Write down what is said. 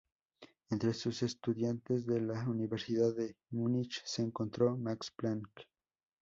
Entre sus estudiantes de la Universidad de Múnich se encontró Max Planck.